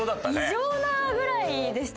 異常なぐらいでした。